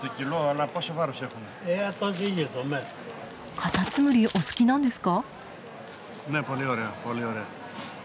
カタツムリお好きなんですか？